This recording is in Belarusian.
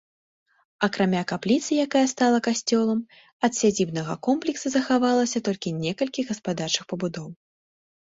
Акрамя капліцы якая стала касцёлам, ад сядзібнага комплекса захавалася толькі некалькі гаспадарчых пабудоў.